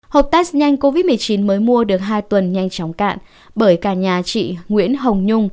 hộp test nhanh covid một mươi chín mới mua được hai tuần nhanh chóng cạn bởi cả nhà chị nguyễn hồng nhung